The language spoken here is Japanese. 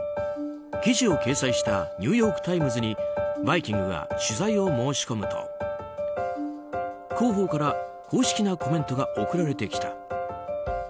記事を掲載したニューヨーク・タイムズに「バイキング」が取材を申し込むと広報から公式なコメントが送られてきた。